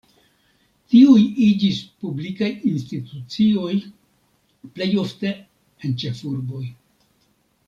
Tiuj iĝis publikaj institucioj, plej ofte en ĉefurboj.